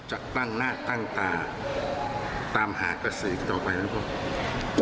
จะตั้งหน้าตั้งตาตามหากศิษย์ต่อไปหรือเปล่า